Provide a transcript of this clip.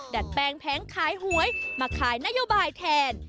ดัดแปลงแผงขายหวยมาขายนโยบายแทน